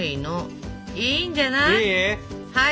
いいんじゃない？いい？